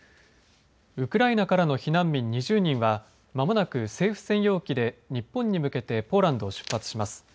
ウクライナからの避難民２０人は間もなく政府専用機で日本に向けてポーランドを出発します。